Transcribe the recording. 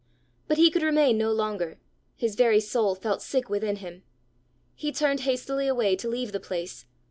But he could remain no longer; his very soul felt sick within him. He turned hastily away to leave the place.